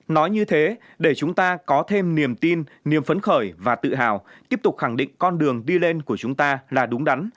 nói như thế để chúng ta có thêm niềm tin niềm phấn khởi và tự hào tiếp tục khẳng định con đường đi lên của chúng ta là đúng đắn